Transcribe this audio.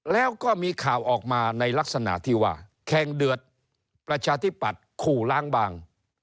แล้วก็มีข่าวออกมาในลักษณะที่ว่าแข่งเดือดประชาธิปัตย์ขู่ล้างบาง